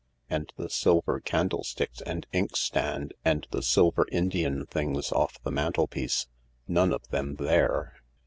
And the silver candlesticks and inkstand and the silver Indian things off the mantelpiece — none of them there.